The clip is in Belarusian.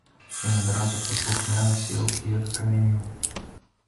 Ён адразу паслухмяна сеў і як акамянеў.